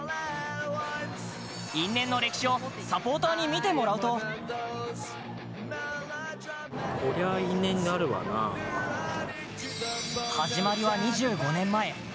因縁の歴史をサポーターに見てもらうと始まりは２５年前。